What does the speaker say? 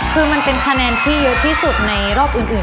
คือมันเป็นคะแนนที่เยอะที่สุดในรอบอื่น